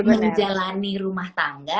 menjalani rumah tangga